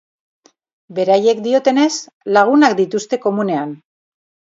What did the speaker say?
Beraiek diotenez, lagunak dituzte komunean.